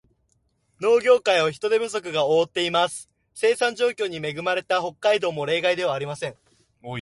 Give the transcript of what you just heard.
農業界を人手不足が覆っています。生産条件に恵まれた北海道も例外ではありません。